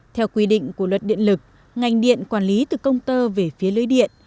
theo quy định của luật điện lực ngành điện quản lý từ công tơ về phía lưới điện